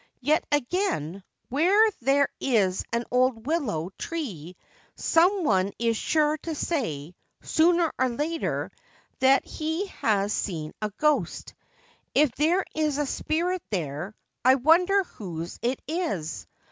Yet, again, where there is an old willow tree some one is sure to say, sooner or later, that he has seen a ghost. If there is a spirit there, I wonder whose it is